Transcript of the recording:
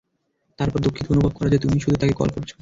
তারপর দুঃখিত অনুভব করা যে, তুমিই শুধু তাকে কল করছো।